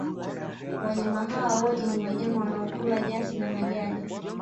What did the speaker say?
wanyama hawa wote ni wanyama wanaokula nyasi na majani